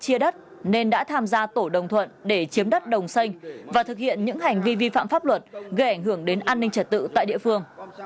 chia đất nên đã tham gia tổ đồng thuận để chiếm đất đồng xanh và thực hiện những hành vi vi phạm pháp luật gây ảnh hưởng đến an ninh trật tự tại địa phương